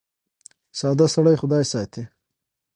ساده سړی خدای ساتي .